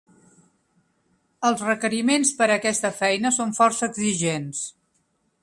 Els requeriments per a aquesta feina són força exigents.